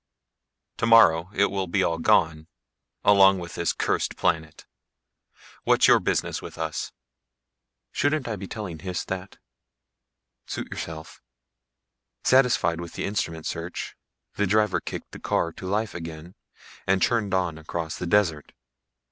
Tomorrow it will be all gone along with this cursed planet. What's your business with us?" "Shouldn't I be telling Hys that?" "Suit yourself." Satisfied with the instrument search, the driver kicked the car to life again and churned on across the desert.